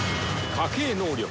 家系能力